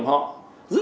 và bổ nhiệm họ